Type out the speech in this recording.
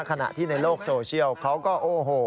ขณะที่ในโลกโซเชียลเขาก็โอ้โห